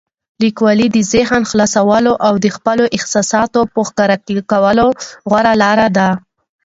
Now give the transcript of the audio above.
لیکوالی د ذهن خلاصولو او د خپلو احساساتو په ښکاره کولو غوره لاره ده.